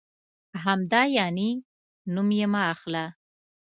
همدا یعنې؟ نوم یې مه اخله.